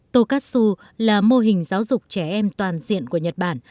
tokatsu là mô hình giáo dục trẻ em toàn diện của nhật bản